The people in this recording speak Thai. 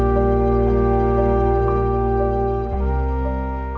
โปรดติดตามตอนต่อไป